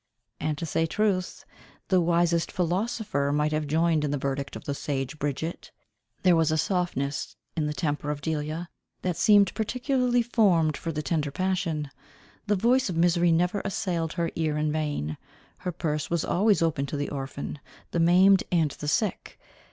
And to say truth, the wisest philosopher might have joined in the verdict of the sage Bridget. There was a softness in the temper of Delia, that seemed particularly formed for the tender passion. The voice of misery never assailed her ear in vain. Her purse was always open to the orphan, the maimed, and the sick.